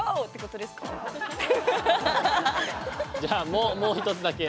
じゃあもう一つだけ。